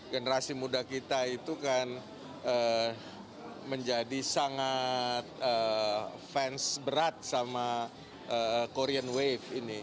generasi muda kita itu kan menjadi sangat fans berat sama korean wave ini